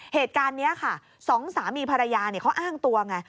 เหตุการณ์นี้ค่ะสองสามีภรรยาเขาอ้างตัวไง